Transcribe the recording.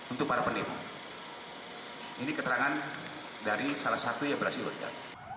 untuk para pendemo ini keterangan dari salah satu yang berhasil login